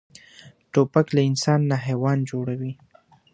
توپک له انسان نه حیوان جوړوي.